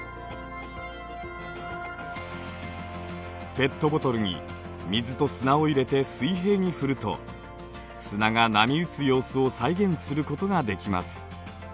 ペットボトルに水と砂を入れて水平に振ると砂が波打つ様子を再現することができます。